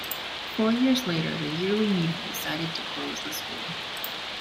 Four years later the Yearly Meeting decided to close the school.